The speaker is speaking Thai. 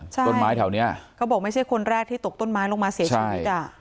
ต้นไม้แถวเนี้ยเขาบอกไม่ใช่คนแรกที่ตกต้นไม้ลงมาเสียชีวิตอ่ะ